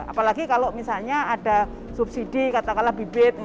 apalagi kalau misalnya ada subsidi katakanlah bibit